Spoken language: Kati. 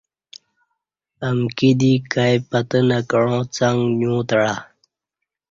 امکی دی کای پتہ نہ کعاں څݣ نیوتعہ